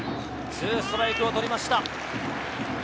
２ストライクを取りました。